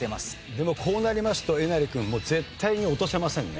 でもこうなりますとえなり君もう絶対に落とせませんね。